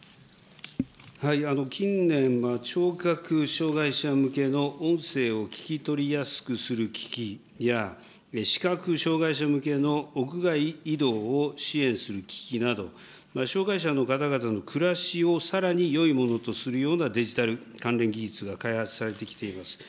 近年は聴覚障害者向けの音声を聞き取りやすくする機器や、視覚障害者向けの屋外移動を支援する機器など、障害者の方々の暮らしをさらによいものとするようなデジタル関連技術が開発されてきています。